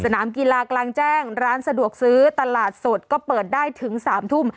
สนามกีฬากลางแจ้งร้านสะดวกซื้อตลาดสดก็เปิดได้ถึง๓ทุ่ม